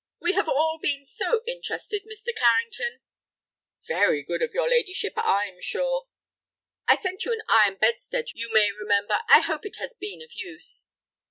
"We have all been so interested, Mr. Carrington—" "Very good of your ladyship, I'm sure." "I sent you an iron bedstead, you may remember. I hope it has been of use."